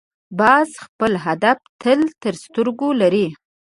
باز خپل هدف تل تر سترګو لري